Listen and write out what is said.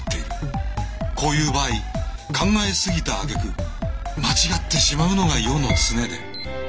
こういう場合考えすぎたあげく間違ってしまうのが世の常で。